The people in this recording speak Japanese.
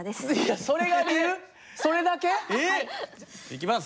行きます。